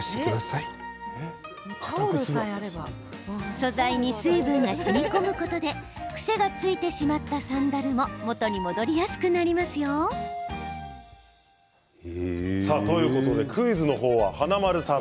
素材に水分がしみこむことで癖がついてしまったサンダルも元に戻りやすくなりますよ。ということでクイズは華丸さん